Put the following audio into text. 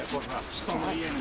人の家に。